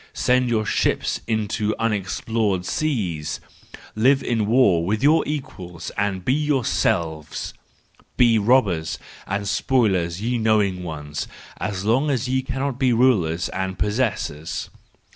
Send your ships into unexplored seas ! Live in war with your equals and with yourselves ! Be robbers and spoilers, ye know¬ ing ones, as long as ye cannot be rulers and possessors!